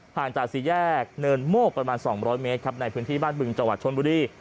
จากสี่แยกเนินโมกประมาณ๒๐๐เมตรครับในพื้นที่บ้านบึงจังหวัดชนบุรี